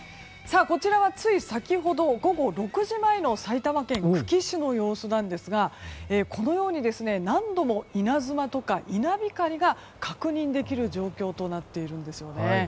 こちらはつい先ほど午後６時前の埼玉県久喜市の様子なんですがこのように何度も稲妻とか稲光が確認できる状況となっているんですね。